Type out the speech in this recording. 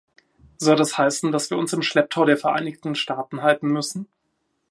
Soll das heißen, dass wir uns im Schlepptau der Vereinigten Staaten halten müssen?